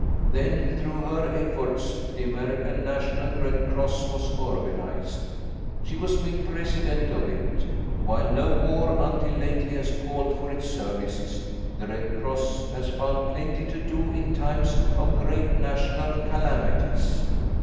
Then, through her efforts, the American National Red Cross was organised. She was made president of it. While no war, until lately, has called for its services, the Red Cross has found plenty to do in times of great national calamities.